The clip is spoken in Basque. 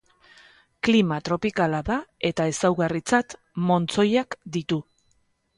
Klima tropikala da eta ezaugarritzat montzoiak ditu.